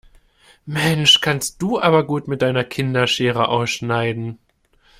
Mensch, kannst du aber gut mit deiner Kinderschere ausschneiden.